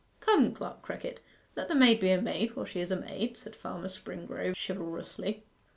'Come, Clerk Crickett, let the maid be a maid while she is a maid,' said Farmer Springrove chivalrously.